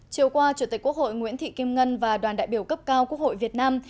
chiều qua chủ tịch quốc hội nguyễn thị kim ngân và đoàn đại biểu cấp cao quốc hội việt nam